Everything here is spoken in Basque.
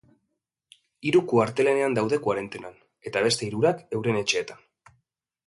Hiru kuartelenean daude koarentenan, eta beste hirurak, euren etxeetan.